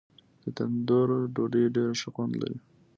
د تندور ډوډۍ ډېر ښه خوند لري.